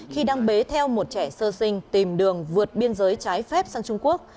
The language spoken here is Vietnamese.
khi đang bế theo một trẻ sơ sinh tìm đường vượt biên giới trái phép sang trung quốc